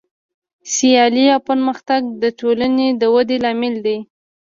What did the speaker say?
سیالي او پرمختګ د ټولنې د ودې لامل دی.